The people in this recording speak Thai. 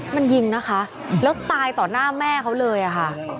มันยิงนะคะแล้วตายต่อหน้าแม่เขาเลยอะค่ะ